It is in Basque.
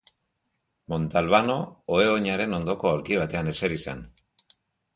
Montalbano ohe-oinaren ondoko aulki batean eseri zen.